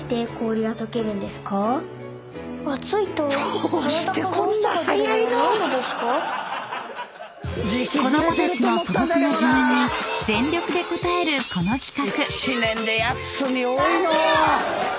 どうしてこんな早いの⁉［子供たちの素朴な疑問に全力で答えるこの企画！］